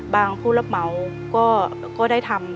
ผู้รับเหมาก็ได้ทำ